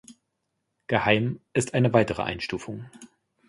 Geheim ist ein weitere Einstufung.